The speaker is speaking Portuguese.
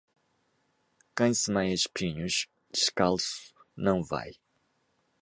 Quem semeia espinhos, descalço não vai.